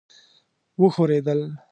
وښورېدل.